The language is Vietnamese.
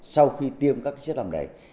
sau khi tiêm các cái chất làm đầy